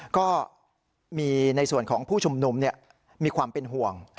ก็มีในส่วนของผู้ชุมนุมมีความเป็นห่วง